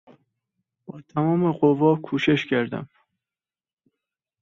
با تمام قوا کوشش کردن